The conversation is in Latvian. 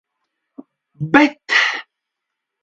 Bet.